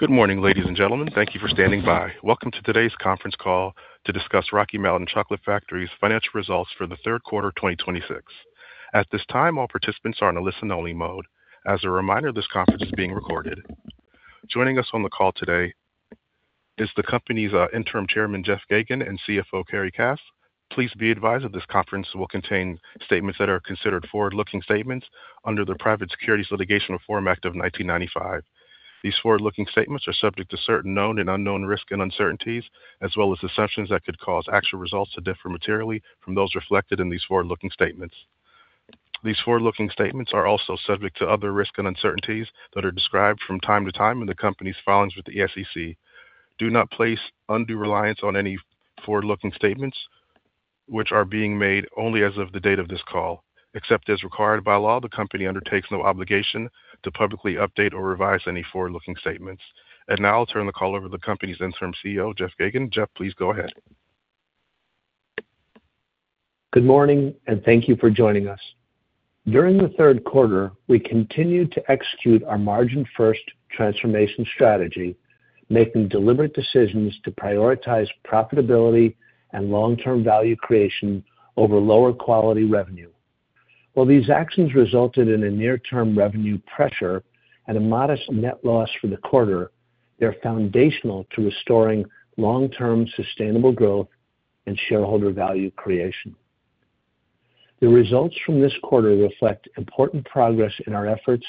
Good morning, ladies and gentlemen. Thank you for standing by. Welcome to today's conference call to discuss Rocky Mountain Chocolate Factory's financial results for the third quarter of 2026. At this time, all participants are in a listen-only mode. As a reminder, this conference is being recorded. Joining us on the call today is the company's Interim Chairman, Jeff Geygan, and CFO, Carrie Cass. Please be advised that this conference will contain statements that are considered forward-looking statements under the Private Securities Litigation Reform Act of 1995. These forward-looking statements are subject to certain known and unknown risks and uncertainties, as well as assumptions that could cause actual results to differ materially from those reflected in these forward-looking statements. These forward-looking statements are also subject to other risks and uncertainties that are described from time to time in the company's filings with the SEC. Do not place undue reliance on any forward-looking statements, which are being made only as of the date of this call. Except as required by law, the company undertakes no obligation to publicly update or revise any forward-looking statements. And now I'll turn the call over to the company's Interim CEO, Jeff Geygan. Jeff, please go ahead. Good morning, and thank you for joining us. During the third quarter, we continued to execute our margin-first transformation strategy, making deliberate decisions to prioritize profitability and long-term value creation over lower-quality revenue. While these actions resulted in a near-term revenue pressure and a modest net loss for the quarter, they're foundational to restoring long-term sustainable growth and shareholder value creation. The results from this quarter reflect important progress in our efforts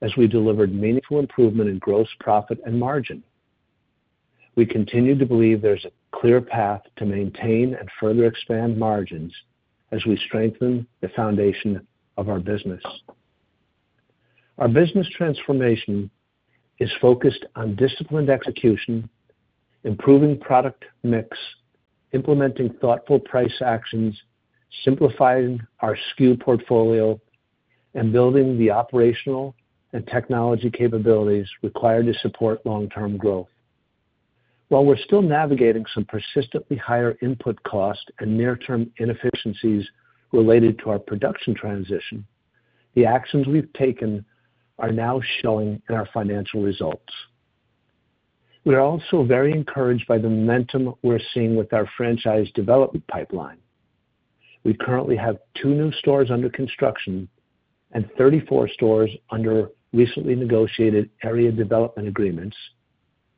as we delivered meaningful improvement in gross profit and margin. We continue to believe there's a clear path to maintain and further expand margins as we strengthen the foundation of our business. Our business transformation is focused on disciplined execution, improving product mix, implementing thoughtful price actions, simplifying our SKU portfolio, and building the operational and technology capabilities required to support long-term growth. While we're still navigating some persistently higher input costs and near-term inefficiencies related to our production transition, the actions we've taken are now showing in our financial results. We are also very encouraged by the momentum we're seeing with our franchise development pipeline. We currently have two new stores under construction and 34 stores under recently negotiated area development agreements,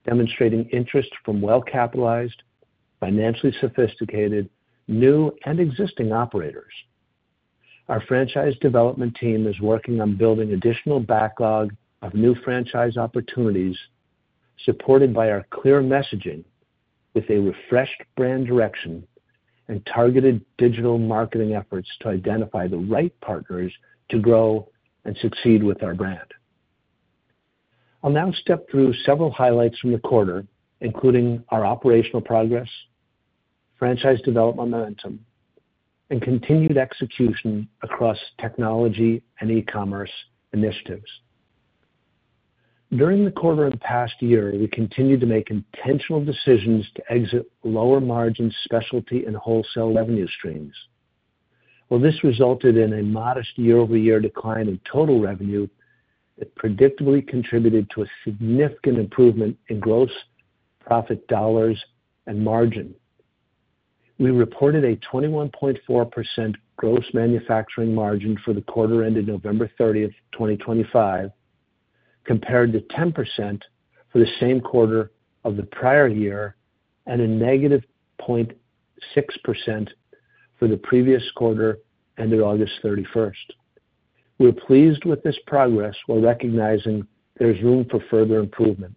demonstrating interest from well-capitalized, financially sophisticated, new, and existing operators. Our franchise development team is working on building additional backlog of new franchise opportunities, supported by our clear messaging with a refreshed brand direction and targeted digital marketing efforts to identify the right partners to grow and succeed with our brand. I'll now step through several highlights from the quarter, including our operational progress, franchise development momentum, and continued execution across technology and e-commerce initiatives. During the quarter and past year, we continued to make intentional decisions to exit lower-margin specialty and wholesale revenue streams. While this resulted in a modest year-over-year decline in total revenue, it predictably contributed to a significant improvement in gross profit dollars and margin. We reported a 21.4% gross manufacturing margin for the quarter ended November 30th, 2025, compared to 10% for the same quarter of the prior year and a negative 0.6% for the previous quarter ended August 31st. We're pleased with this progress while recognizing there's room for further improvement.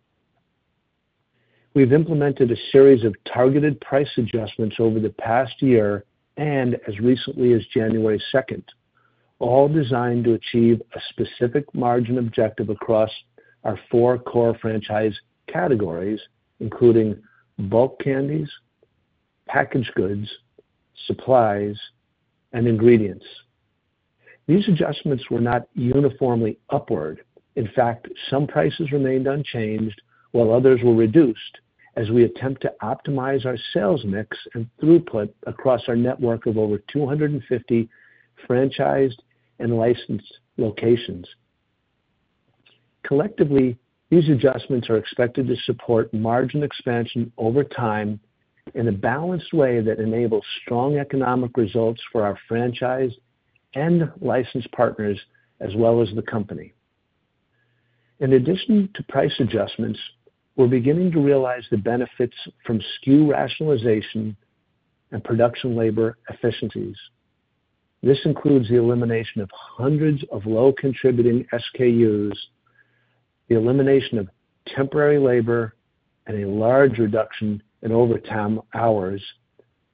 We've implemented a series of targeted price adjustments over the past year and as recently as January 2nd, all designed to achieve a specific margin objective across our four core franchise categories, including bulk candies, packaged goods, supplies, and ingredients. These adjustments were not uniformly upward. In fact, some prices remained unchanged while others were reduced as we attempt to optimize our sales mix and throughput across our network of over 250 franchised and licensed locations. Collectively, these adjustments are expected to support margin expansion over time in a balanced way that enables strong economic results for our franchised and licensed partners, as well as the company. In addition to price adjustments, we're beginning to realize the benefits from SKU rationalization and production labor efficiencies. This includes the elimination of hundreds of low-contributing SKUs, the elimination of temporary labor, and a large reduction in overtime hours,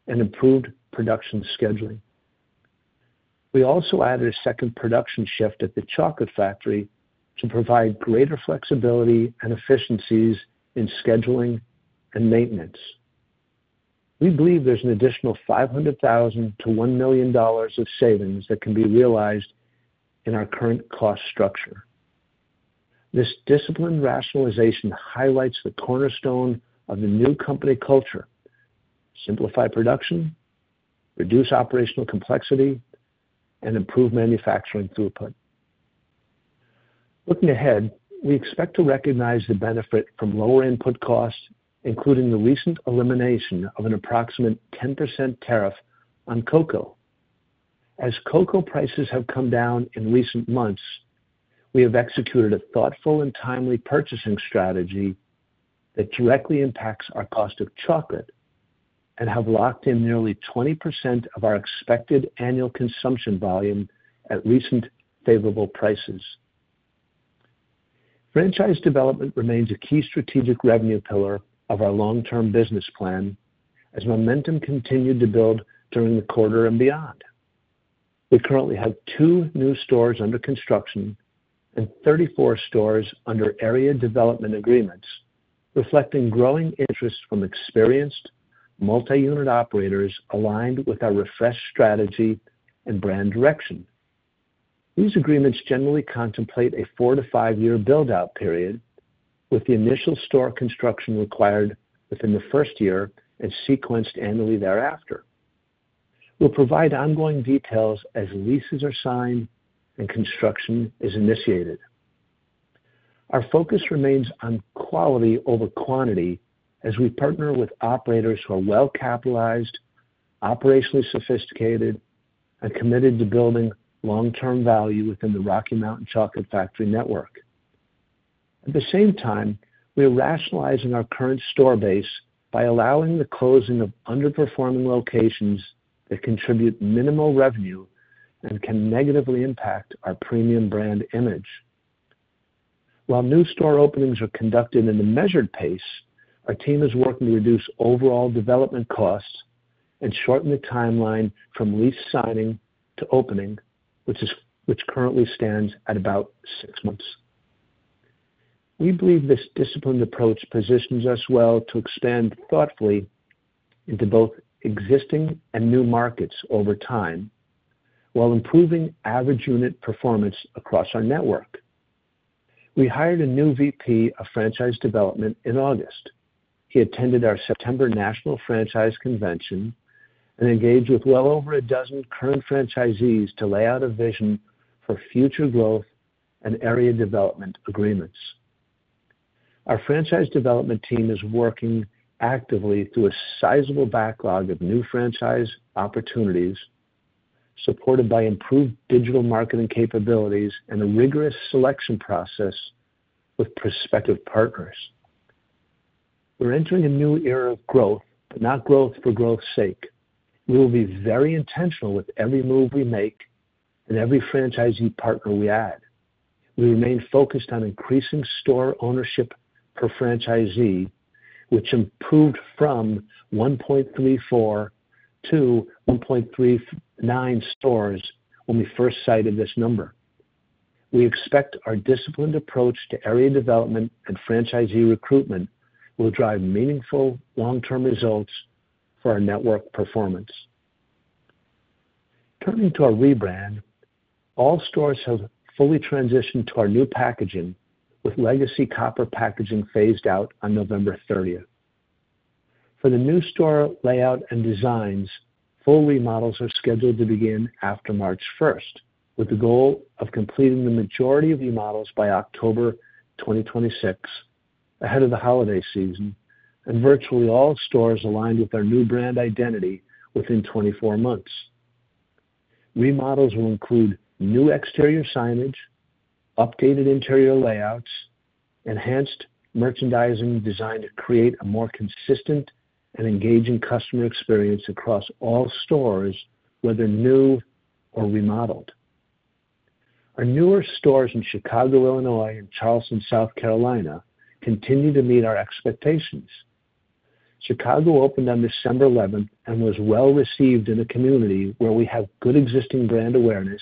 and improved production scheduling. We also added a second production shift at the chocolate factory to provide greater flexibility and efficiencies in scheduling and maintenance. We believe there's an additional $500,000-$1 million of savings that can be realized in our current cost structure. This disciplined rationalization highlights the cornerstone of the new company culture: simplify production, reduce operational complexity, and improve manufacturing throughput. Looking ahead, we expect to recognize the benefit from lower input costs, including the recent elimination of an approximate 10% tariff on cocoa. As cocoa prices have come down in recent months, we have executed a thoughtful and timely purchasing strategy that directly impacts our cost of chocolate and have locked in nearly 20% of our expected annual consumption volume at recent favorable prices. Franchise development remains a key strategic revenue pillar of our long-term business plan as momentum continued to build during the quarter and beyond. We currently have two new stores under construction and 34 stores under area development agreements, reflecting growing interest from experienced multi-unit operators aligned with our refreshed strategy and brand direction. These agreements generally contemplate a four to five-year build-out period, with the initial store construction required within the first year and sequenced annually thereafter. We'll provide ongoing details as leases are signed and construction is initiated. Our focus remains on quality over quantity as we partner with operators who are well-capitalized, operationally sophisticated, and committed to building long-term value within the Rocky Mountain Chocolate Factory network. At the same time, we are rationalizing our current store base by allowing the closing of underperforming locations that contribute minimal revenue and can negatively impact our premium brand image. While new store openings are conducted in a measured pace, our team is working to reduce overall development costs and shorten the timeline from lease signing to opening, which currently stands at about six months. We believe this disciplined approach positions us well to expand thoughtfully into both existing and new markets over time while improving average unit performance across our network. We hired a new VP of franchise development in August. He attended our September National Franchise Convention and engaged with well over a dozen current franchisees to lay out a vision for future growth and area development agreements. Our franchise development team is working actively through a sizable backlog of new franchise opportunities, supported by improved digital marketing capabilities and a rigorous selection process with prospective partners. We're entering a new era of growth, but not growth for growth's sake. We will be very intentional with every move we make and every franchisee partner we add. We remain focused on increasing store ownership per franchisee, which improved from 1.34 to 1.39 stores when we first cited this number. We expect our disciplined approach to area development and franchisee recruitment will drive meaningful long-term results for our network performance. Turning to our rebrand, all stores have fully transitioned to our new packaging, with legacy copper packaging phased out on November 30th. For the new store layout and designs, full remodels are scheduled to begin after March 1st, with the goal of completing the majority of remodels by October 2026, ahead of the holiday season, and virtually all stores aligned with our new brand identity within 24 months. Remodels will include new exterior signage, updated interior layouts, enhanced merchandising designed to create a more consistent and engaging customer experience across all stores, whether new or remodeled. Our newer stores in Chicago, Illinois, and Charleston, South Carolina, continue to meet our expectations. Chicago opened on December 11th and was well-received in a community where we have good existing brand awareness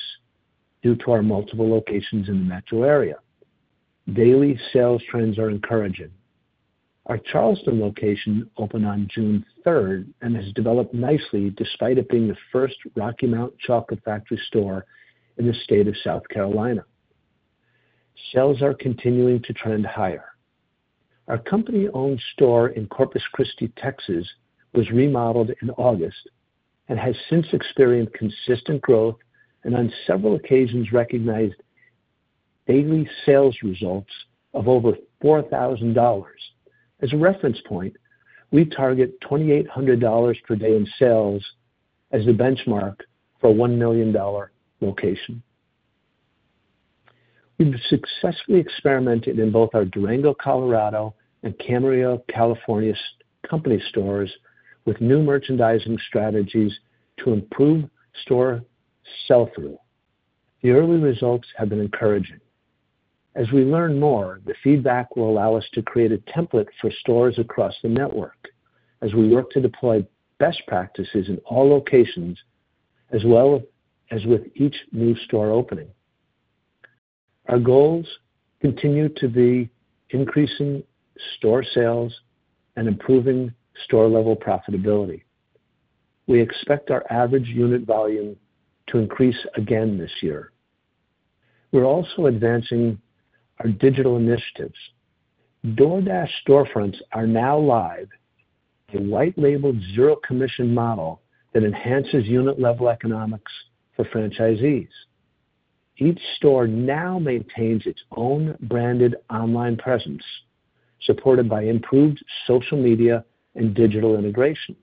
due to our multiple locations in the metro area. Daily sales trends are encouraging. Our Charleston location opened on June 3rd and has developed nicely despite it being the first Rocky Mountain Chocolate Factory store in the state of South Carolina. Sales are continuing to trend higher. Our company-owned store in Corpus Christi, Texas, was remodeled in August and has since experienced consistent growth and on several occasions recognized daily sales results of over $4,000. As a reference point, we target $2,800 per day in sales as the benchmark for a $1 million location. We've successfully experimented in both our Durango, Colorado, and Camarillo, California company stores with new merchandising strategies to improve store sell-through. The early results have been encouraging. As we learn more, the feedback will allow us to create a template for stores across the network as we work to deploy best practices in all locations as well as with each new store opening. Our goals continue to be increasing store sales and improving store-level profitability. We expect our average unit volume to increase again this year. We're also advancing our digital initiatives. DoorDash Storefronts are now live, a white-labeled zero-commission model that enhances unit-level economics for franchisees. Each store now maintains its own branded online presence, supported by improved social media and digital integration.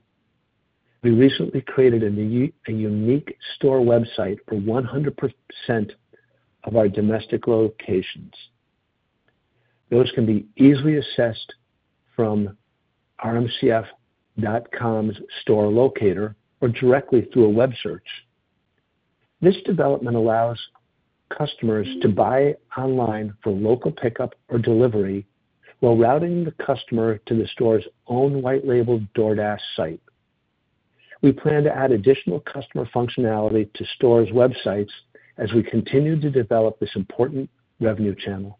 We recently created a unique store website for 100% of our domestic locations. Those can be easily accessed from rmcf.com's store locator or directly through a web search. This development allows customers to buy online for local pickup or delivery while routing the customer to the store's own white-labeled DoorDash site. We plan to add additional customer functionality to stores' websites as we continue to develop this important revenue channel.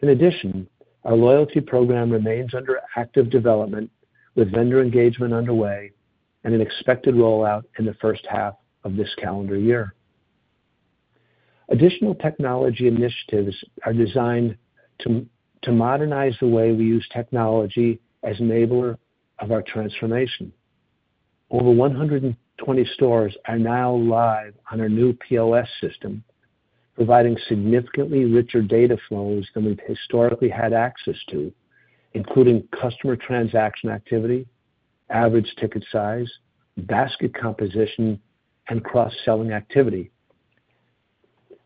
In addition, our loyalty program remains under active development with vendor engagement underway and an expected rollout in the first half of this calendar year. Additional technology initiatives are designed to modernize the way we use technology as an enabler of our transformation. Over 120 stores are now live on our new POS system, providing significantly richer data flows than we've historically had access to, including customer transaction activity, average ticket size, basket composition, and cross-selling activity.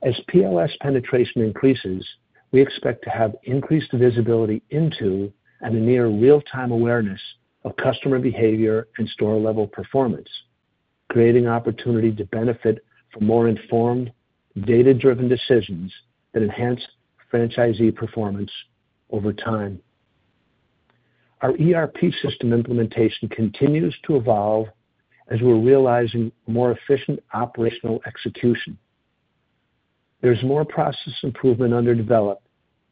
As POS penetration increases, we expect to have increased visibility into and a near real-time awareness of customer behavior and store-level performance, creating opportunity to benefit from more informed, data-driven decisions that enhance franchisee performance over time. Our ERP system implementation continues to evolve as we're realizing more efficient operational execution. There's more process improvement under development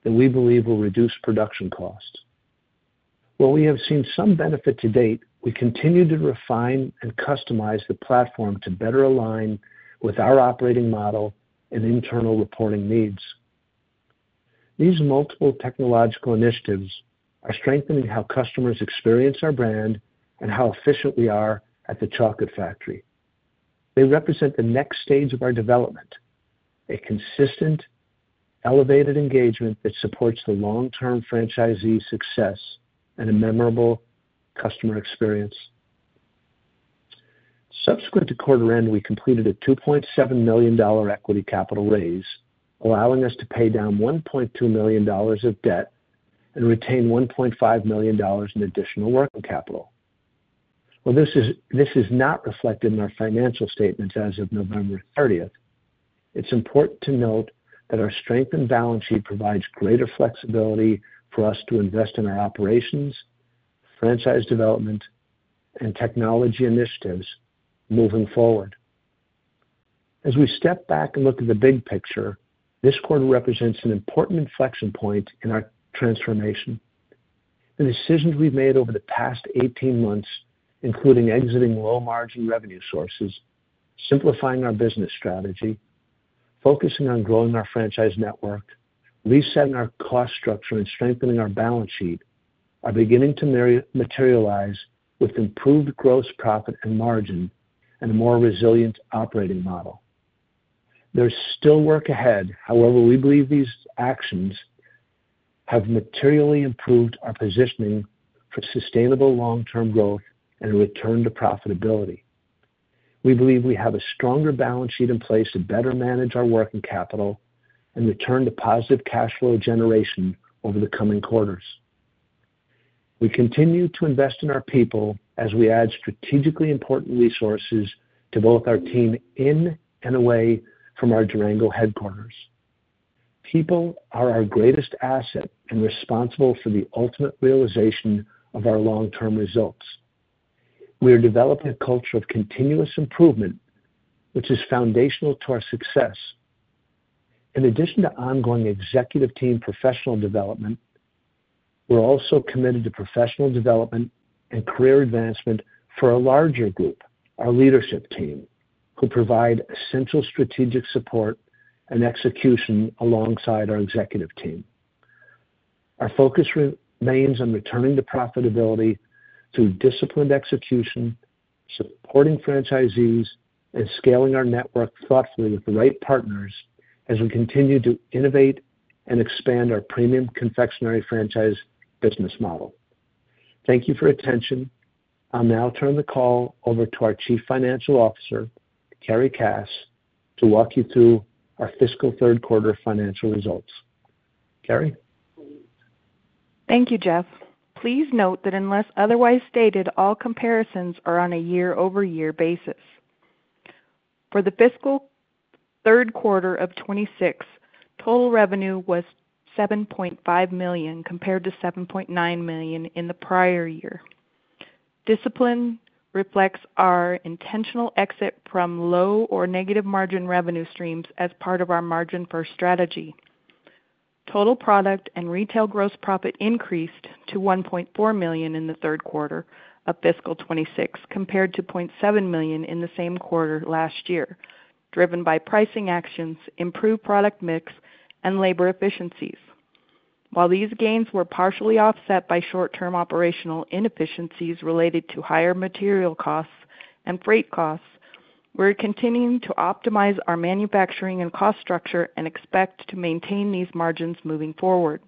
that we believe will reduce production costs. While we have seen some benefit to date, we continue to refine and customize the platform to better align with our operating model and internal reporting needs. These multiple technological initiatives are strengthening how customers experience our brand and how efficient we are at the chocolate factory. They represent the next stage of our development: a consistent, elevated engagement that supports the long-term franchisee success and a memorable customer experience. Subsequent to quarter end, we completed a $2.7 million equity capital raise, allowing us to pay down $1.2 million of debt and retain $1.5 million in additional working capital. While this is not reflected in our financial statements as of November 30th, it's important to note that our strength and balance sheet provides greater flexibility for us to invest in our operations, franchise development, and technology initiatives moving forward. As we step back and look at the big picture, this quarter represents an important inflection point in our transformation. The decisions we've made over the past 18 months, including exiting low-margin revenue sources, simplifying our business strategy, focusing on growing our franchise network, resetting our cost structure, and strengthening our balance sheet, are beginning to materialize with improved gross profit and margin and a more resilient operating model. There's still work ahead. However, we believe these actions have materially improved our positioning for sustainable long-term growth and return to profitability. We believe we have a stronger balance sheet in place to better manage our working capital and return to positive cash flow generation over the coming quarters. We continue to invest in our people as we add strategically important resources to both our team in and away from our Durango headquarters. People are our greatest asset and responsible for the ultimate realization of our long-term results. We are developing a culture of continuous improvement, which is foundational to our success. In addition to ongoing executive team professional development, we're also committed to professional development and career advancement for a larger group, our leadership team, who provide essential strategic support and execution alongside our executive team. Our focus remains on returning to profitability through disciplined execution, supporting franchisees, and scaling our network thoughtfully with the right partners as we continue to innovate and expand our premium confectionery franchise business model. Thank you for your attention. I'll now turn the call over to our Chief Financial Officer, Carrie Cass, to walk you through our fiscal third quarter financial results. Carrie? Thank you, Jeff. Please note that unless otherwise stated, all comparisons are on a year-over-year basis. For the fiscal third quarter of 2026, total revenue was $7.5 million compared to $7.9 million in the prior year. The decline reflects our intentional exit from low or negative margin revenue streams as part of our margin-first strategy. Total product and retail gross profit increased to $1.4 million in the third quarter of fiscal 2026 compared to $0.7 million in the same quarter last year, driven by pricing actions, improved product mix, and labor efficiencies. While these gains were partially offset by short-term operational inefficiencies related to higher material costs and freight costs, we're continuing to optimize our manufacturing and cost structure and expect to maintain these margins moving forward.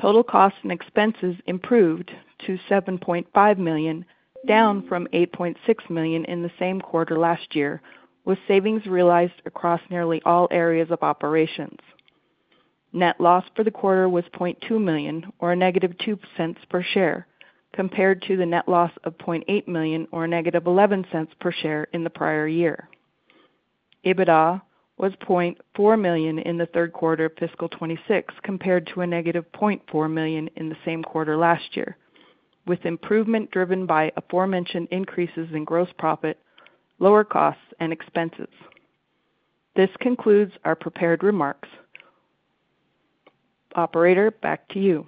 Total costs and expenses improved to $7.5 million, down from $8.6 million in the same quarter last year, with savings realized across nearly all areas of operations. Net loss for the quarter was $0.2 million, or negative $0.02 per share, compared to the net loss of $0.8 million, or negative $0.11 per share in the prior year. EBITDA was $0.4 million in the third quarter of fiscal 2026 compared to negative $0.4 million in the same quarter last year, with improvement driven by aforementioned increases in gross profit, lower costs, and expenses. This concludes our prepared remarks. Operator, back to you.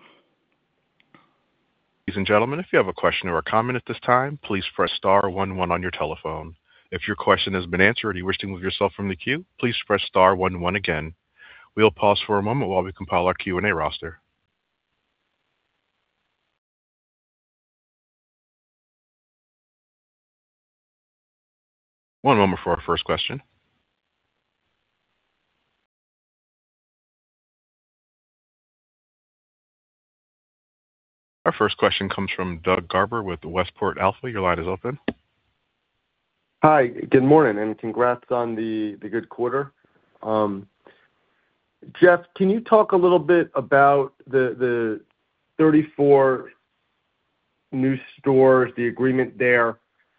Ladies and gentlemen, if you have a question or a comment at this time, please press star 11 on your telephone. If your question has been answered or you wish to move yourself from the queue, please press star 11 again. We'll pause for a moment while we compile our Q&A roster. One moment for our first question. Our first question comes from Doug Garber with Westport Alpha. Your line is open. Hi. Good morning and congrats on the good quarter. Jeff, can you talk a little bit about the 34 new stores, the agreement there,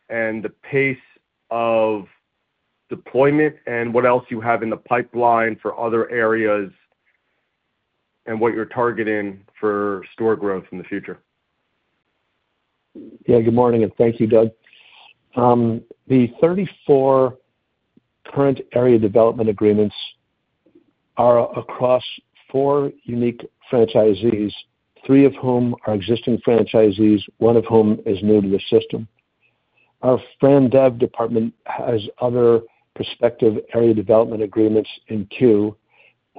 and the pace of deployment, and what else you have in the pipeline for other areas, and what you're targeting for store growth in the future? Yeah. Good morning and thank you, Doug. The 34 current area development agreements are across four unique franchisees, three of whom are existing franchisees, one of whom is new to the system. Our FranDev department has other prospective area development agreements in queue.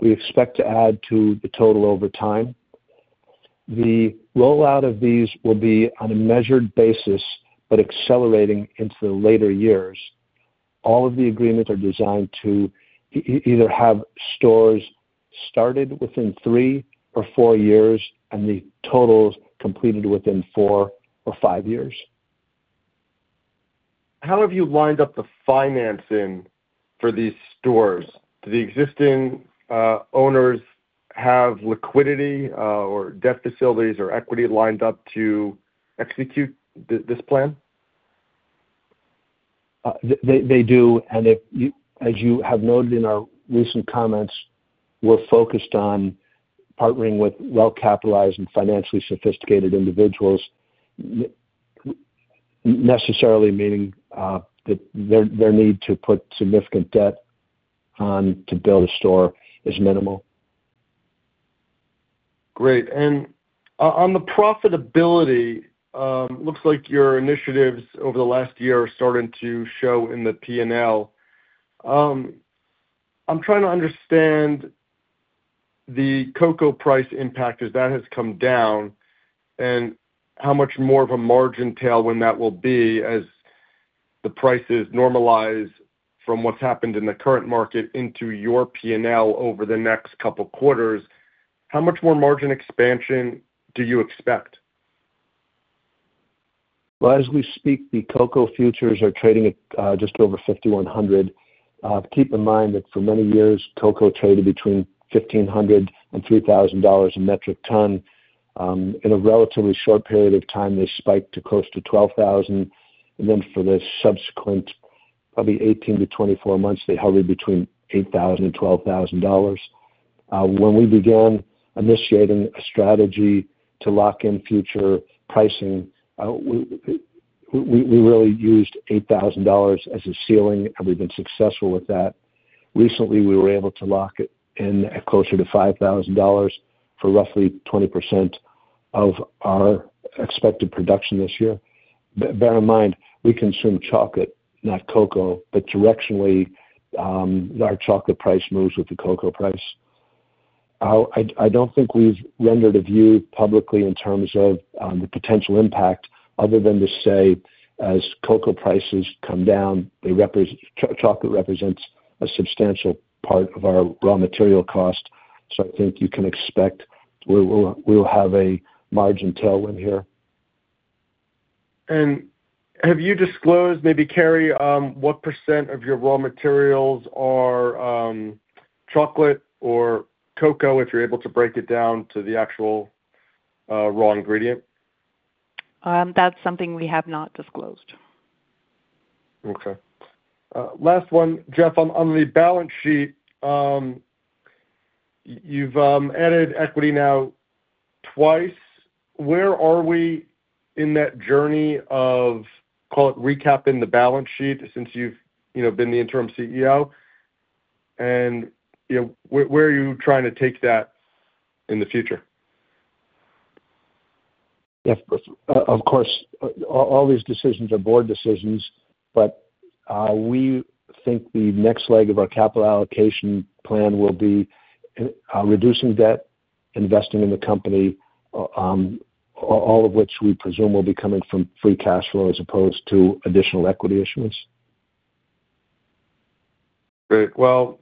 We expect to add to the total over time. The rollout of these will be on a measured basis but accelerating into the later years. All of the agreements are designed to either have stores started within three or four years and the totals completed within four or five years. How have you lined up the financing for these stores? Do the existing owners have liquidity or debt facilities or equity lined up to execute this plan? They do, and as you have noted in our recent comments, we're focused on partnering with well-capitalized and financially sophisticated individuals, necessarily meaning that their need to put significant debt on to build a store is minimal. Great, and on the profitability, looks like your initiatives over the last year are starting to show in the P&L. I'm trying to understand the cocoa price impact as that has come down, and how much more of a margin tailwind that will be as the prices normalize from what's happened in the current market into your P&L over the next couple of quarters. How much more margin expansion do you expect? Well, as we speak, the cocoa futures are trading at just over $5,100. Keep in mind that for many years, cocoa traded between $1,500 and $3,000 a metric ton. In a relatively short period of time, they spiked to close to $12,000. And then for the subsequent probably 18-24 months, they hovered between $8,000 and $12,000. When we began initiating a strategy to lock in future pricing, we really used $8,000 as a ceiling, and we've been successful with that. Recently, we were able to lock it in at closer to $5,000 for roughly 20% of our expected production this year. Bear in mind, we consume chocolate, not cocoa, but directionally, our chocolate price moves with the cocoa price. I don't think we've rendered a view publicly in terms of the potential impact other than to say, as cocoa prices come down, chocolate represents a substantial part of our raw material cost. So I think you can expect we will have a margin tailwind here. And have you disclosed, maybe, Carrie, what percent of your raw materials are chocolate or cocoa if you're able to break it down to the actual raw ingredient? That's something we have not disclosed. Okay. Last one, Jeff. On the balance sheet, you've added equity now twice. Where are we in that journey of, call it, recapping the balance sheet since you've been the Interim CEO? And where are you trying to take that in the future? Yes. Of course, all these decisions are board decisions, but we think the next leg of our capital allocation plan will be reducing debt, investing in the company, all of which we presume will be coming from free cash flow as opposed to additional equity issuance. Great. Well,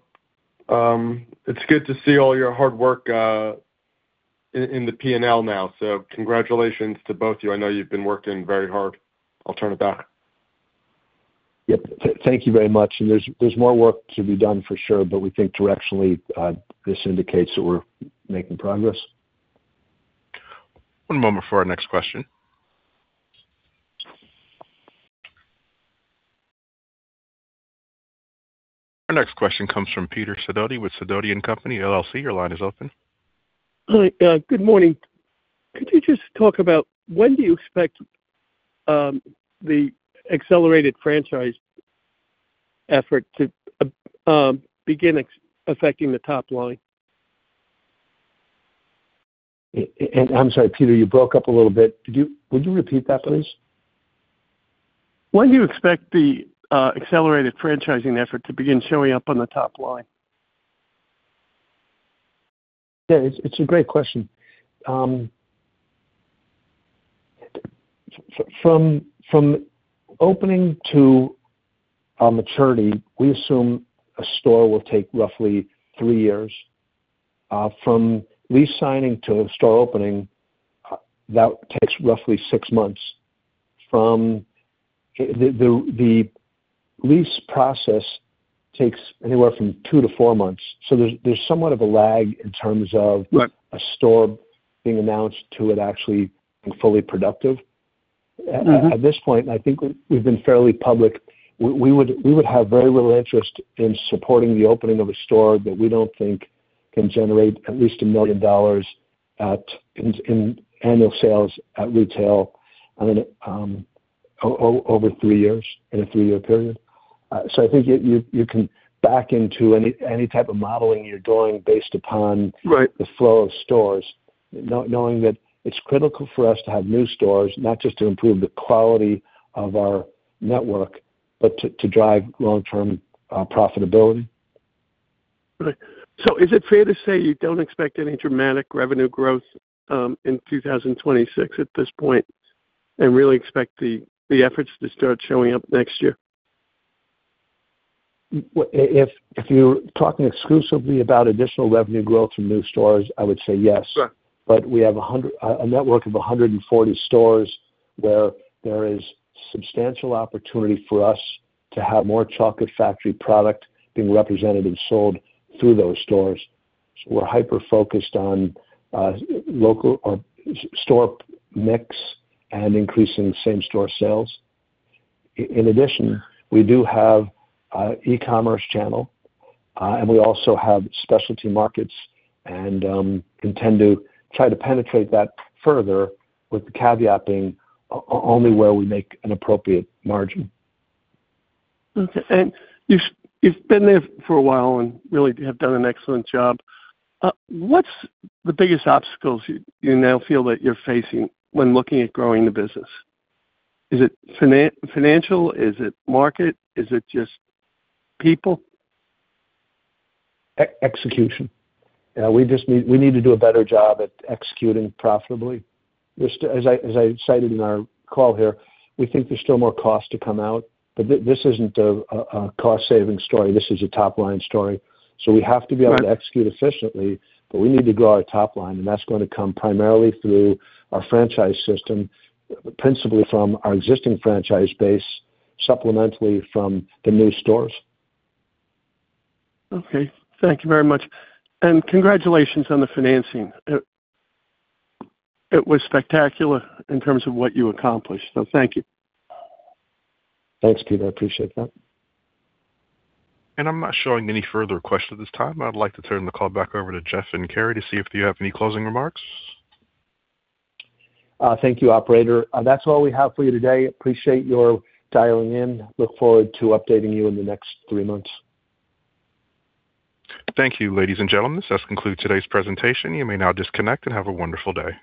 it's good to see all your hard work in the P&L now. So congratulations to both of you. I know you've been working very hard. I'll turn it back. Yep. Thank you very much. And there's more work to be done for sure, but we think directionally, this indicates that we're making progress. One moment for our next question. Our next question comes from Peter Sidoti with Sidoti & Company LLC. Your line is open. Good morning. Could you just talk about when do you expect the accelerated franchise effort to begin affecting the top line? I'm sorry, Peter. You broke up a little bit. Would you repeat that, please? When do you expect the accelerated franchising effort to begin showing up on the top line? Yeah. It's a great question. From opening to maturity, we assume a store will take roughly three years. From lease signing to store opening, that takes roughly six months. The lease process takes anywhere from two to four months. So there's somewhat of a lag in terms of a store being announced to it actually being fully productive. At this point, I think we've been fairly public. We would have very little interest in supporting the opening of a store that we don't think can generate at least $1 million in annual sales at retail over three years in a three-year period. So I think you can back into any type of modeling you're doing based upon the flow of stores, knowing that it's critical for us to have new stores, not just to improve the quality of our network, but to drive long-term profitability. So is it fair to say you don't expect any dramatic revenue growth in 2026 at this point and really expect the efforts to start showing up next year? If you're talking exclusively about additional revenue growth from new stores, I would say yes. But we have a network of 140 stores where there is substantial opportunity for us to have more chocolate factory product being represented and sold through those stores. So we're hyper-focused on local store mix and increasing same-store sales. In addition, we do have an e-commerce channel, and we also have specialty markets and intend to try to penetrate that further, with the caveat being only where we make an appropriate margin. Okay. And you've been there for a while and really have done an excellent job. What's the biggest obstacles you now feel that you're facing when looking at growing the business? Is it financial? Is it market? Is it just people? Execution. We need to do a better job at executing profitably. As I cited in our call here, we think there's still more cost to come out, but this isn't a cost-saving story. This is a top-line story, so we have to be able to execute efficiently, but we need to grow our top line, and that's going to come primarily through our franchise system, principally from our existing franchise base, supplementally from the new stores. Okay. Thank you very much and congratulations on the financing. It was spectacular in terms of what you accomplished, so thank you. Thanks, Peter. I appreciate that I'm not showing any further questions at this time. I'd like to turn the call back over to Jeff and Carrie to see if you have any closing remarks. Thank you, Operator. That's all we have for you today. Appreciate your dialing in. Look forward to updating you in the next three months. Thank you, ladies and gentlemen. This does conclude today's presentation. You may now disconnect and have a wonderful day.